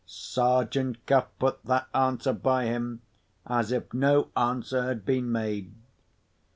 Sergeant Cuff put that answer by him, as if no answer had been made.